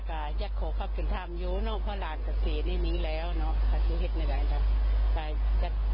ก็อย่าให้ความสำคัญทับ